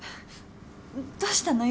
どうしたのよ？